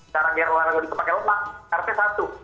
cara biar luar lalu bisa pakai lemak artinya satu